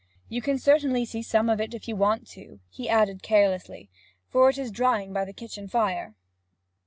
'You can certainly see some of it if you want to,' he added carelessly, 'for it is drying by the kitchen fire.'